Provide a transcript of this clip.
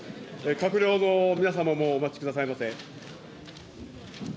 閣僚の皆様もお待ちくださいませ。